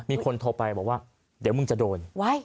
มีคนโทรไปบอกว่าเดี๋ยวมึงจะโดน